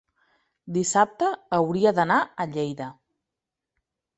dissabte hauria d'anar a Lleida.